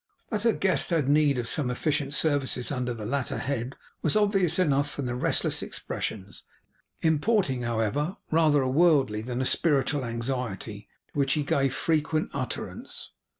That her guest had need of some efficient services under the latter head was obvious enough from the restless expressions, importing, however, rather a worldly than a spiritual anxiety, to which he gave frequent utterance.